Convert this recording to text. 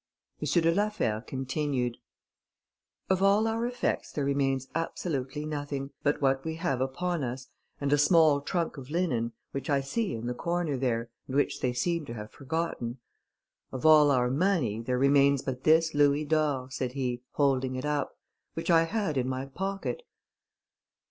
M. de la Fère continued "Of all our effects there remains absolutely nothing, but what we have upon us, and a small trunk of linen, which I see in the corner there, and which they seem to have forgotten. Of all our money, there remains but this louis d'or," said he, holding it up, "which I had in my pocket."